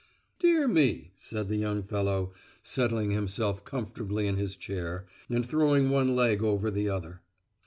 "Dear me," said the young fellow, settling himself comfortably in his chair, and throwing one leg over the other.